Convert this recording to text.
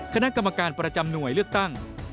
คณะกรรมการประจำหน่วยเลือกตั้ง